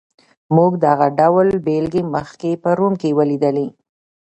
موږ دغه ډول بېلګې مخکې په روم کې ولیدلې.